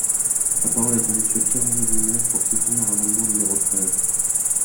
La parole est à Monsieur Pierre-Henri Dumont, pour soutenir l’amendement numéro treize.